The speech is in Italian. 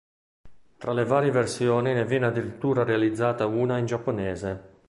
Tra le varie versioni ne viene addirittura realizzata una in giapponese.